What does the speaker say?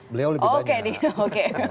beliau lebih banyak oke